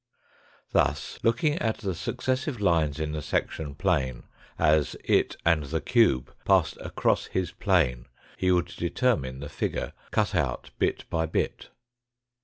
Thus looking at the successive lines in the section plane as it and the cube passed across his plane he would determine the figure cut out bit by bit.